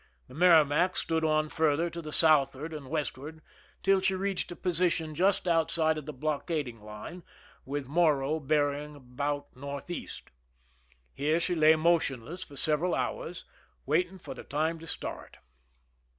The Merrimac I stood on farther to the southward and westward / till she reached a position just outside of the block ] ading line, with Morro bearing about northeast. \ Here she lay motionless for several hours, waiting ) for the time to start.